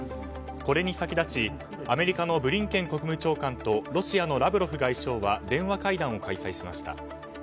これに先立ちアメリカのブリンケン国務長官とロシアのラブロフ外相は電話会談を開催しました。